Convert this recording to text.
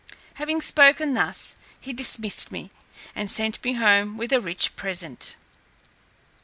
Having spoken thus, he dismissed me, and sent me home with a rich present.